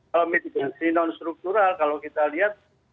kalau mitigasi non struktural kalau kita lihat